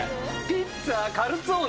ピッツァ？カルツォーネ？